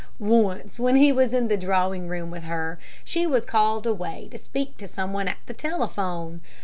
Once when he was in the drawing room with her, she was called away to speak to some one at the telephone.